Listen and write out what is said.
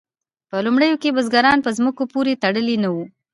په لومړیو کې بزګران په ځمکو پورې تړلي نه وو.